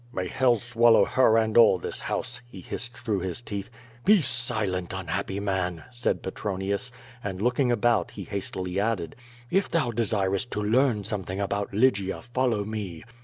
"May Hell swallow her and all this house/' he hissed through his teeth. "Be silent, unhappy man/' said Petronius, and^ looking about, he hastily added: "If thou dcsirest to learn some thing about Lygia, follow me.